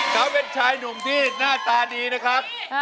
เขาเป็นชายหนุ่มที่หน้าตาดีนะครับ